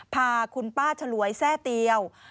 พาคุณป้าฉลวยแทร่เตียว